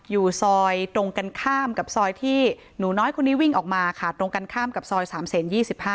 อยู่ซอยตรงกันข้ามกับซอยที่หนูน้อยคนนี้วิ่งออกมาค่ะตรงกันข้ามกับซอย๓เซน๒๕